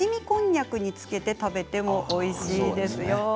こんにゃくにつけて食べてもおいしいですよ。